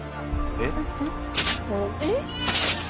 えっ！？